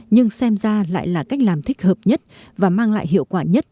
nhưng xem ra lại là cách làm thích hợp nhất và mang lại hiệu quả nhất